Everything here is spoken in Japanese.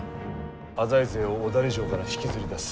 浅井勢を小谷城から引きずり出す。